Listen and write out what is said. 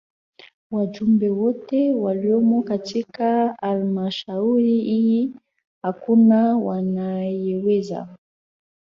wajumbe wote waliomo katika halmashauri hii hakuna anayeweza